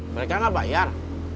mereka gak bayar